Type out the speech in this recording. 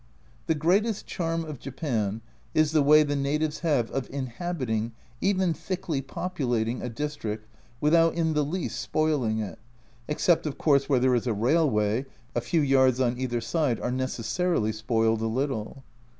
The greatest charm of Japan is the way the natives have of inhabiting, even thickly populating, a district without in the least spoiling it except of course where there is a railway, a few yards on either side are necessarily spoiled a little.